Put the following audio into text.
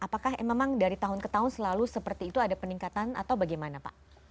apakah memang dari tahun ke tahun selalu seperti itu ada peningkatan atau bagaimana pak